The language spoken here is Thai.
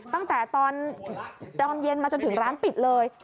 ตั้งแต่ตอนดอมเย็นมาจนถึงร้านปิดเลย